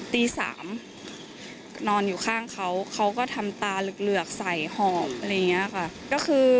ตีสามนอนอยู่ข้างเขาเขาก็ทำตาเหลือกเหลือกใสหอมอะไรอย่างเงี้ยค่ะก็คือ